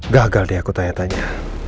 gagal deh aku tanya tanya